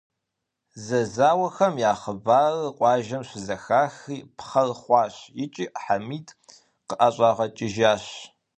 Зэзауэхэм я хъыбарыр къуажэм щызэхахри, пхъэр хъуащ икӀи Хьэмид къыӀэщӀагъэкӀыжащ.